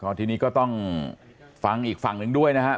แล้วทีนี้ก็ต้องฟังไอ่ฝั่งนึงด้วยนะครับ